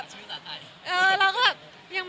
คือไม่ใช่ค่ะ